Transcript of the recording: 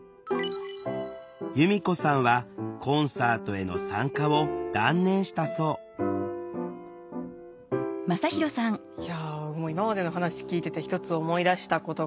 弓子さんはコンサートへの参加を断念したそういや今までの話聞いてて一つ思い出したことがあって。